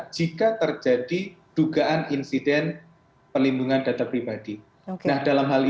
jika terjadi dukungan dari kementerian kominfo yang telah menunjukkan bahwa data yang terjadi